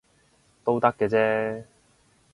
都得嘅啫